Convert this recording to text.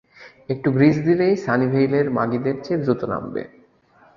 একটু গ্রিজ দিলেই, সানিভেইলের মাগিদের চেয়ে দ্রুত নামবে।